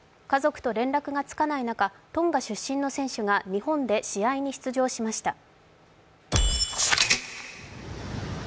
家族と連絡がつかない中、トンガ出身の選手が日本で試合に出場しました。